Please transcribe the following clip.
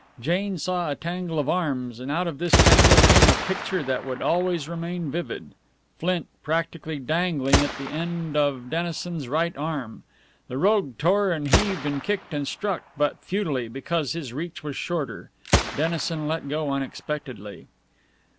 Jane saw a tangle of arms, and out of this tangle came a picture that would always remain vivid Flint practically dangling at the end of Dennison's right arm. The rogue tore and heaved and kicked and struck, but futilely, because his reach was shorter. Dennison let go unexpectedly.